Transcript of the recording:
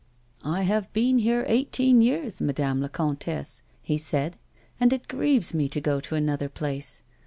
" I have been here eighteen years, Madame la Comtesse," he said, " and it grieves me to go to another place.